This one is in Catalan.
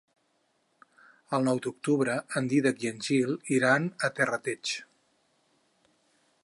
El nou d'octubre en Dídac i en Gil iran a Terrateig.